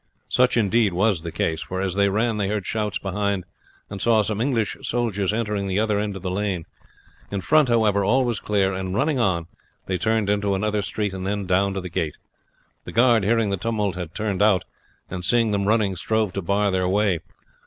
Such, indeed, was the case, for as they ran they heard shouts behind, and saw some English soldiers entering the other end of the lane. In front, however, all was clear, and running on they turned into another street, and then down to the gate. The guard, hearing the tumult, had turned out, and seeing them running, strove to bar their way.